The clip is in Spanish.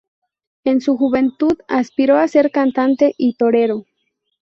En su juventud, aspiró a ser cantante y torero.